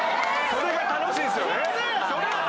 それが楽しいですやん！